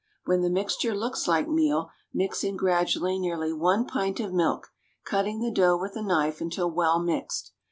When the mixture looks like meal, mix in gradually nearly one pint of milk, cutting the dough with a knife until well mixed.